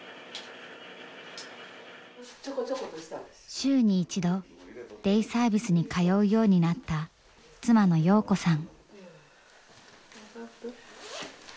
週に一度デイサービスに通うようになった妻の洋子さん。